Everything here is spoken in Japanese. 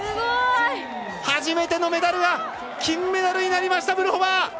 初めてのメダルは金メダルになりました、ブルホバー。